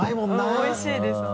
おいしいです。